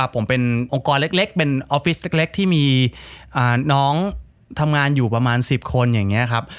ผมเป็นองค์กรเล็กเป็นออฟฟิศเล็กที่มีน้องทำงานอยู่ประมาณ๑๐คนอย่างนี้ครับ